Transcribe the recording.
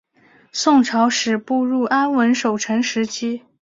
宋朝始步入安稳守成时期。